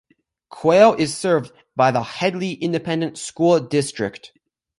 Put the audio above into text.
Quail is served by the Hedley Independent School District.